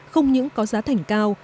không những có giá thành cao